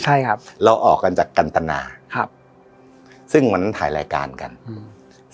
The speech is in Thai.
ใช่ครับเราออกกันจากกันตนาครับซึ่งวันนั้นถ่ายรายการกันอืม